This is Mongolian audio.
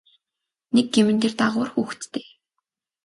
Нэг гэм нь тэр дагавар хүүхэдтэй.